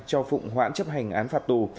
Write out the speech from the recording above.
cho phụng hoãn chấp hành án phạt tù